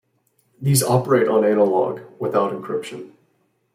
These operate on analogue, without encryption.